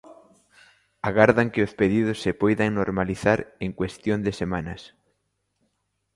Agardan que os pedidos se poidan normalizar en cuestión de semanas.